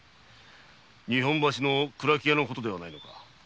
日本橋の蔵木屋のことではないのか？